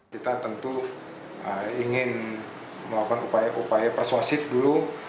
kita tentu ingin melakukan upaya upaya persuasif dulu